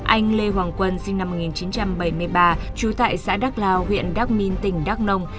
anh lê hoàng quân sinh năm một nghìn chín trăm bảy mươi ba trú tại xã đắk lao huyện đắc minh tỉnh đắk nông